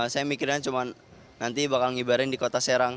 saya mikirnya cuma nanti bakal ngibarin di kota serang